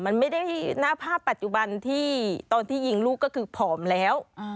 มันไม่ได้หน้าภาพปัจจุบันที่ตอนที่ยิงลูกก็คือผอมแล้ว